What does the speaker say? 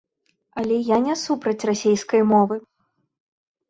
Але я не супраць расейскай мовы.